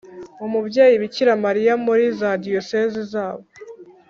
umubyeyi bikira mariya muri za diyosezi zabo,